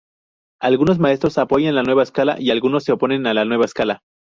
Algunos maestros apoyan la nueva escala, y algunos se oponen a la nueva escala.